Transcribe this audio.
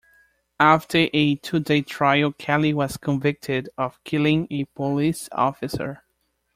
After a two-day trial, Kelly was convicted of killing a police officer.